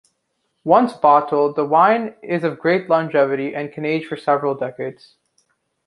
Once bottled, the wine is of great longevity, and can age for several decades.